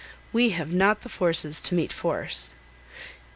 We have not the forces to meet force."